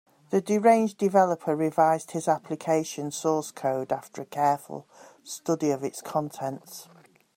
The deranged developer revised his application source code after a careful study of its contents.